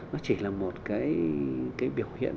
nó chỉ là một cái biểu hiện